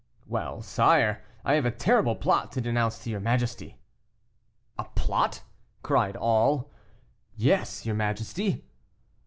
"Well, sire, I have a terrible plot to denounce to your majesty." "A plot!" cried all. "Yes, your majesty."